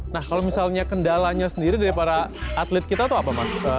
nah kalau misalnya kendalanya sendiri dari para atlet kita tuh apa mas